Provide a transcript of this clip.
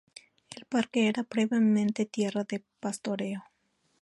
El parque era previamente tierra de pastoreo.